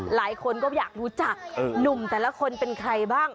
หลายคนก็อยากรู้จักหนุ่มแต่ละคนเป็นใครบ้าง